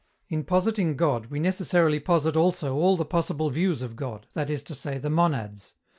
In positing God, we necessarily posit also all the possible views of God, that is to say, the monads.